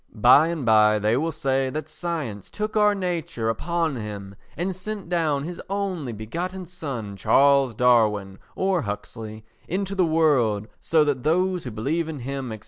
By and by they will say that science took our nature upon him, and sent down his only begotten son, Charles Darwin, or Huxley, into the world so that those who believe in him, &c.